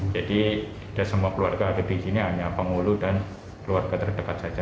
jadi tidak semua keluarga ada di sini hanya penghulu dan keluarga terdekat saja